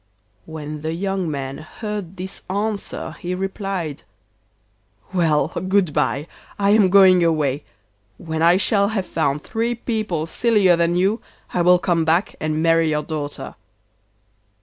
When the young man heard this answer he replied: 'Well! good bye, I am going away. When I shall have found three people sillier than you I will come back and marry your daughter.